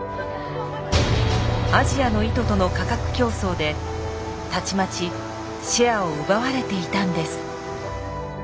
アジアの糸との価格競争でたちまちシェアを奪われていたんです。